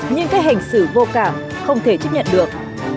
nhưng cách hành xử vô cảm không thể chấp nhận được